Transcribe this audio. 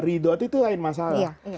ridot itu lain masalah